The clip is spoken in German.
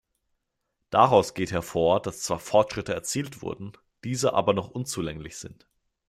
Daraus geht hervor, dass zwar Fortschritte erzielt wurden, diese aber noch unzulänglich sind.